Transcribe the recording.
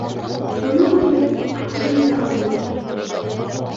Уның өсөн аҡсаһын да алды бит.